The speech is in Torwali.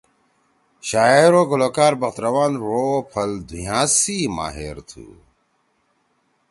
شاعر او گلوکار بخت روان ڙو او پھل دُھوئیا سی ماہر تُھو۔